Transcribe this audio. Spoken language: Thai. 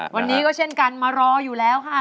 วันนี้ก็เช่นกันมารออยู่แล้วค่ะ